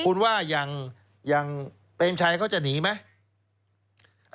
คุณว่าอย่างเปรมชัยเขาจะหนีไหม